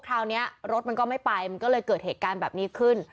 คราวนี้รถมันก็ไม่ไปมันก็เลยเกิดเหตุการณ์แบบนี้ขึ้น